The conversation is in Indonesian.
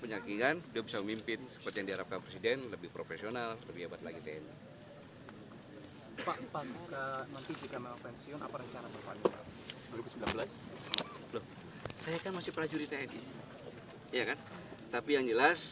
yang sangat berhasil mengembangkan